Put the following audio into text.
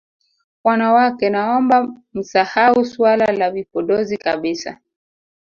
Wanawake naomba msahau swala la vipodozi kabisa